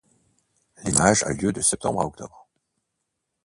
L'essaimage a lieu de septembre à octobre.